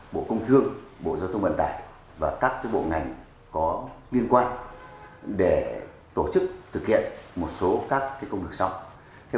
bộ công thương bộ giao thông vận tải và các bộ ngành có liên quan để tổ chức thực hiện một số các công việc sau